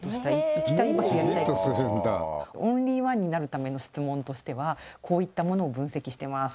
行きたい場所・やりたいことオンリーワンになるための質問としてはこういったものを分析してます